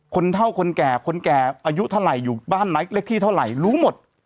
คนเท่าคนแก่คนแก่อายุเท่าไหร่อยู่บ้านไหนเลขที่เท่าไหร่รู้หมด